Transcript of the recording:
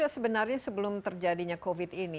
sebenarnya sebelum terjadinya covid ini